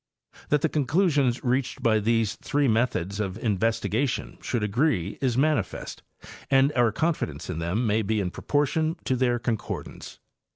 That the conclusions reached by these three methods of in vestigation should agree is manifest, and our confidence in them may be in proportion to their concordance.